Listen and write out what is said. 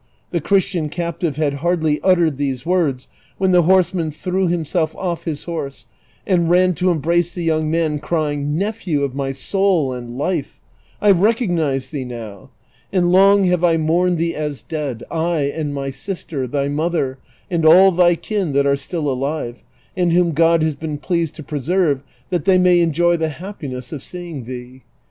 The Christian captive had hardly uttered these words, when the horseman threw himself oft' his horse, and ran to embrace the young man, crying, " Nejjhew of my soul and life I I recognize thee now ; and long have I mourned thee as dead, I, and my sister, thy mother, and all thy kin that are still alive, and w^iom God has been pleased to preserve that they may enjoy the happiness of seeing thee.